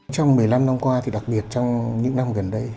trong một mươi năm năm qua đặc biệt trong những năm gần đây